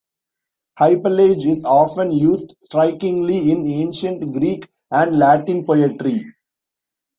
Hypallage is often used strikingly in Ancient Greek and Latin poetry.